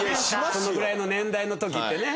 このぐらいの年代の時ってね。